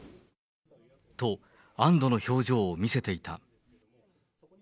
と、安どの表情を見せていた。